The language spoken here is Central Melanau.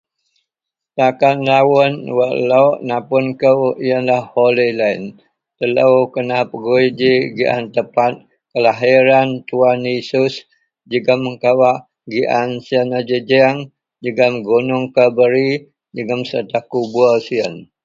Takan rawon wak lok napun kou iyenlah Holyland, telo kena pegui ji gian tempat kelahiran Tuhan Yesus jegem kawak gian siyen nejejeng jegem gunung Kalvari jegum serta kubur siyen.